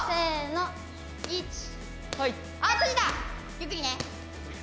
ゆっくりね。